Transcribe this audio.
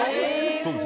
そうです